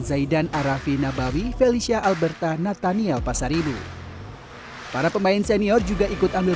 zaidan arafi nabawi felicia alberta natanial pasaribu para pemain senior juga ikut ambil